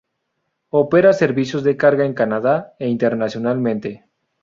Opera servicios de carga en Canadá e internacionalmente.